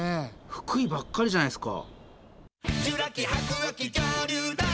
「フクイ」ばっかりじゃないですか。